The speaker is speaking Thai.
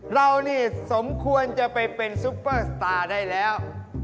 เรานี่สมควรจะไปเป็นซุปเปอร์สตาร์ได้แล้ว